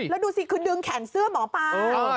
แล้วดูสิคือดึงแขนเสื้อหมอปลา